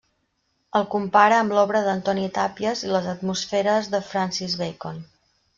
El compara amb l'obra d'Antoni Tàpies i les atmosferes de Francis Bacon.